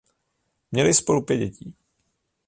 Měli spolu pět dětí.